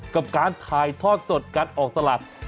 กับการถ่ายทอดสดการออกสลาก